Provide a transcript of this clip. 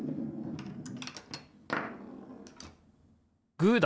グーだ！